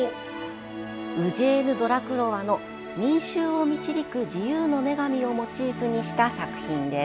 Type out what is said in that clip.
ウジェーヌ・ドラクロワの「民衆を導く自由の女神」をモチーフにした作品です。